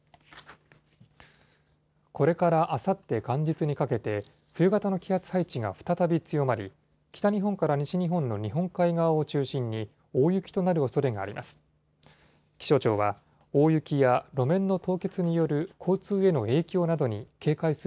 これからあさって元日にかけて、冬型の気圧配置が再び強まり、北日本から西日本の日本海側を中心に、大雪となるおそれがあります。